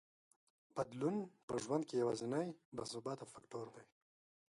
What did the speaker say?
بدلون په ژوند کې یوازینی باثباته فکټور دی.